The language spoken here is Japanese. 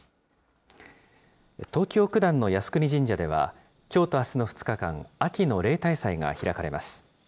東京・九段の靖国神社では、きょうとあすの２日間、秋の例大祭が開かれます。